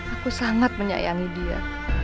aku sangat menyayangi dia